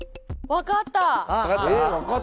分かった？